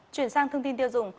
chuyển sang thông tin tiêu dùng